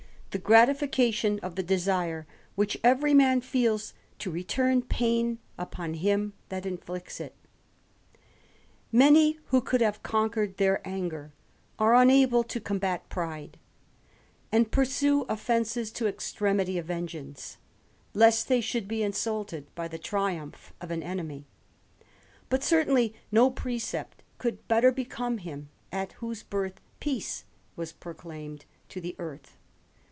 ihe gratification of the desire which every man feels to return pain upon him that inflicts it Many who could have conquered their anger, are unable to combat pride, and pursue offences to extremity of vengeance, lest they should be insulted by the triumph of an enemy. But certainly no precept could better become him, at whose birth peace was proclaimed to the earth.